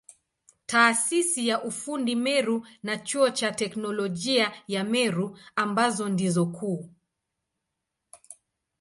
Taasisi ya ufundi Meru na Chuo cha Teknolojia ya Meru ambazo ndizo kuu.